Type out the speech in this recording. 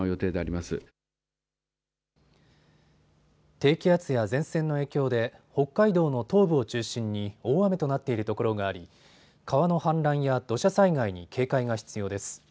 低気圧や前線の影響で北海道の東部を中心に大雨となっているところがあり川の氾濫や土砂災害に警戒が必要です。